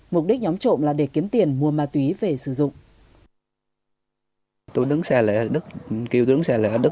mục đích nhóm trộm là để kiếm tiền mua ma túy về sử dụng